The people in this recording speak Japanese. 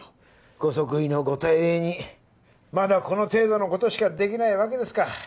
ご即位のご大礼にまだこの程度のことしかできないわけですか